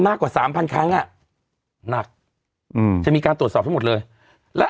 กว่าสามพันครั้งอ่ะหนักอืมจะมีการตรวจสอบทั้งหมดเลยและ